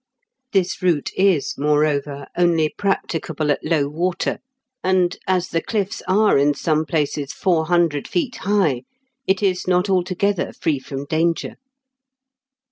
This route is, moreover, only practicable at low water, and, as the cliffs are, in some places, four hundred feet high, it is not alto gether free from danger.